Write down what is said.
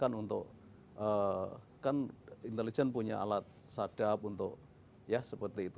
kan untuk kan intelijen punya alat sadap untuk ya seperti itu